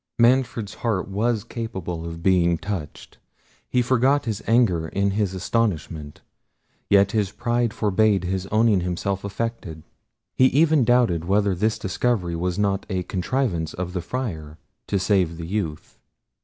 Manfred's heart was capable of being touched. He forgot his anger in his astonishment; yet his pride forbad his owning himself affected. He even doubted whether this discovery was not a contrivance of the Friar to save the youth.